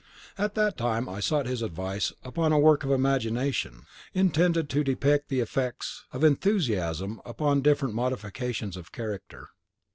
And at that time I sought his advice upon a work of imagination, intended to depict the effects of enthusiasm upon different modifications of character.